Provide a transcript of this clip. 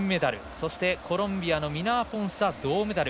そして、コロンビアのミナアポンサが銅メダル。